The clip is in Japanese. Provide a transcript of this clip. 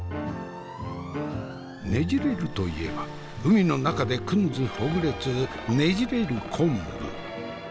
ねじれると言えば海の中でくんずほぐれつねじれる昆布。